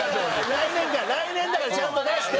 来年から来年だからちゃんと出して。